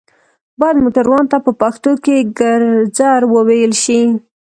بايد موټروان ته په پښتو کې ګرځر ووئيل شي